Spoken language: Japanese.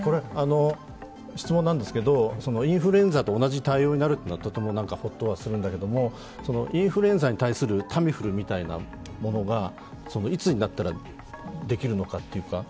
質問なんですが、インフルエンザと同じ対応になるというのはとてもホッとはするんだけど、インフルエンザに対するタミフルみたいなものがいつになったらできるのかというか。